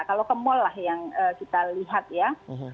kalau ke mall lah yang kita lihat ya